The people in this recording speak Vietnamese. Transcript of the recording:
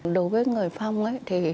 đối với người phong ấy